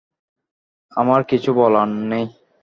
আমার কিছু বলার নেই।